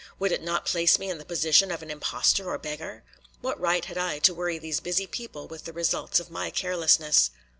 Would it not place me in the position of an impostor or beggar? What right had I to worry these busy people with the results of my carelessness?